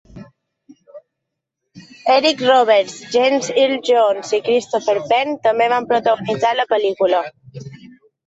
Eric Roberts, James Earl Jones i Christopher Penn també van protagonitzar la pel·lícula.